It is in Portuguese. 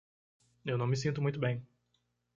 Eu não me sinto muito bem.